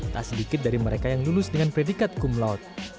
tak sedikit dari mereka yang lulus dengan predikat kumlout